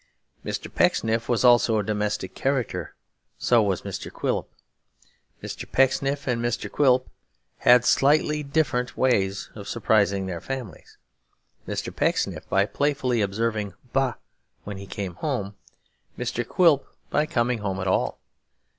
Mr. Pecksniff was also a domestic character; so was Mr. Quilp. Mr. Pecksniff and Mr. Quilp had slightly different ways of surprising their families; Mr. Pecksniff by playfully observing 'Boh!' when he came home; Mr. Quilp by coming home at all.